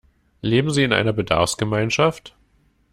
Leben Sie in einer Bedarfsgemeinschaft?